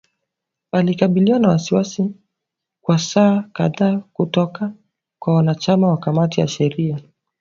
alikabiliwa na maswali kwa saa kadhaa kutoka kwa wanachama wa kamati ya sheria